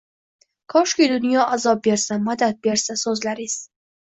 Koshki dunyo azob bersa madad bersa suzlariz